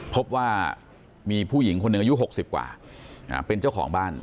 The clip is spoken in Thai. พบว่ามีผู้หญิงคนหนึ่งอายุ๖๐กว่าเป็นเจ้าของบ้าน